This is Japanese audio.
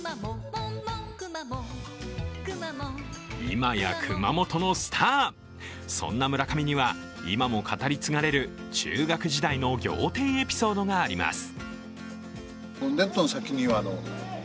今や熊本のスター、そんな村上には今も語り継がれる中学時代の仰天エピソードがあります。